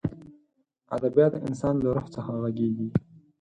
ادبیات د انسان له روح څخه غږېږي.